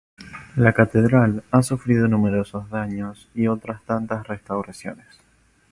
La catedral ha sufrido numerosos daños y otras tantas restauraciones.